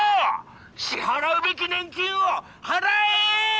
支払うべき年金を払えー！